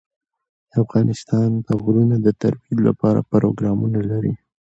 افغانستان د غرونه د ترویج لپاره پروګرامونه لري.